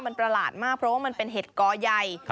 มันประหลาดมากเพราะว่ามันเป็นเห็ดกอใหญ่